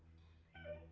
aku sudah berjalan